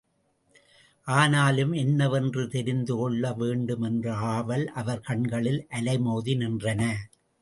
ஆனாலும், என்னவென்று தெரிந்துகொள்ள வேண்டுமென்று ஆவல் அவர் கண்களில் அலைமோதி நின்றன.